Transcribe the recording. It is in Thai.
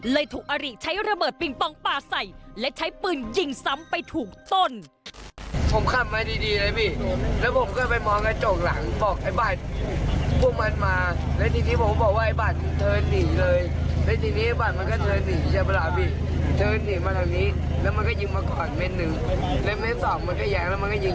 ถูกอริใช้ระเบิดปิงปองปลาใส่และใช้ปืนยิงซ้ำไปถูกต้น